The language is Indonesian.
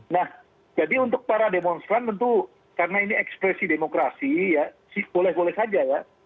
nah jadi untuk para demonstran tentu karena ini ekspresi demokrasi ya boleh boleh saja ya